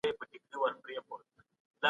ایا د ستورو یادونه په شعرونو کې سته؟